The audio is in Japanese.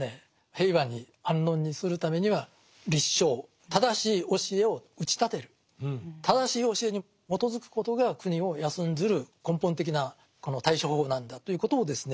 平和に安穏にするためには「立正」正しい教えを打ち立てる正しい教えに基づくことが国を安んずる根本的なこの対処方法なんだということをですね